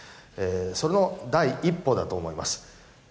その第一歩だと思います。